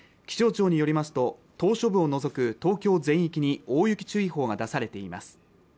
気象庁によりますと島しょ部を除く東京全域に大雪注意報が出されています